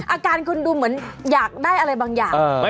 อาการคุณดูเหมือนอยากได้อะไรบางอย่าง